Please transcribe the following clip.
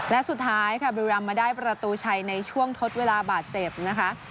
และสุดท้ายค่ะบริรัมมาได้ประตูชัยในช่วงทดเวลาบาดเจ็บนะคะ